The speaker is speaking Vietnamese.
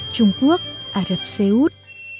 trung quốc ả rập xê út